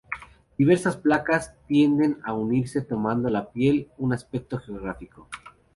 Diversas placas tienden a unirse tomando la piel un aspecto geográfico.